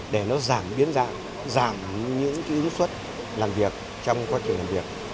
để nó giảm biến dạng giảm những ứng suất làm việc trong quá trình làm việc